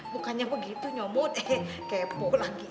bukannya begitu nyomot eh kepo lagi